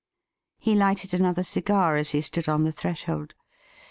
He lighted another cigar as he stood on the threshold.